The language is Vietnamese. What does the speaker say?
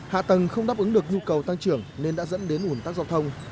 hạ tầng không đáp ứng được nhu cầu tăng trưởng nên đã dẫn đến ủn tắc giao thông